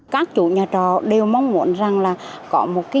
các chủ nhà trọ đều mong muốn rằng là có một cái